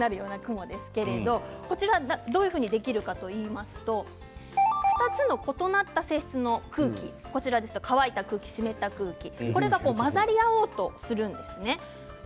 どういうふうにできるかといいますと２つの異なった性質の空気乾いた空気と湿った空気が混ざり合おうとするんですね。